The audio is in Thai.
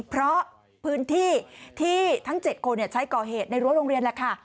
เพราะพื้นที่ที่ทั้ง๗คนใช้ก่อเหตุในรั้วโรงเรียนแหละค่ะ